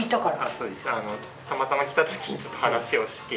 そうなんですあのたまたま来た時にちょっと話をして。